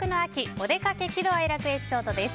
おでかけ喜怒哀楽エピソードです。